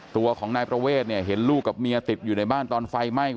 ตัวของนายประเวทเนี่ยเห็นลูกกับเมียติดอยู่ในบ้านตอนไฟไหม้